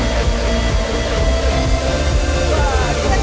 ya gue seneng